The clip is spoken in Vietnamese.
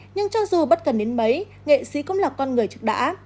nhưng cho dù bất cần đến mấy nghệ sĩ cũng là con người trực đã